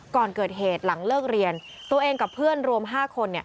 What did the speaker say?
ก่อนเกิดเหตุหลังเลิกเรียนตัวเองกับเพื่อนรวม๕คน